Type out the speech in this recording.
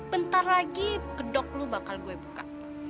bentar lagi kedok lu bakal gue buka